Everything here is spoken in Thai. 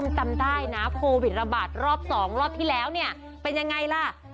แล้วมันเลยเลือดศึกษาติฤพิธีมือพุ่งผ้าน